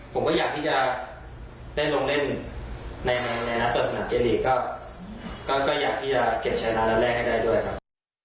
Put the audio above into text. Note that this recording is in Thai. ผมก็อยากที่จะได้ลงเล่นในนัดเปิดสนามเจลีกก็อยากที่จะเก็บชนะนัดแรกให้ได้ด้วยครับ